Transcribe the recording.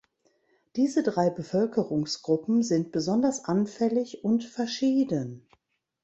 Diese drei Bevölkerungsgruppen sind besonders anfällig und verschieden.